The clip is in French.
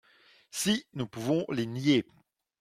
Si, nous pouvons les nier